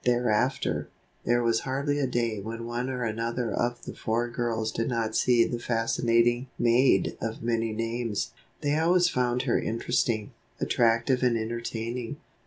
Thereafter, there was hardly a day when one or another of the four girls did not see the fascinating maid of many names. They always found her interesting, attractive and entertaining.